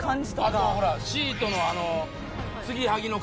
あとほらシートのあの継ぎはぎの感じ。